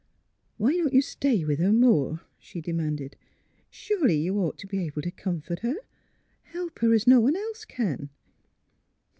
" Why don't you stay with her more! " she demanded. '' Surely you ought to be able to com fort her — help her as no one else can."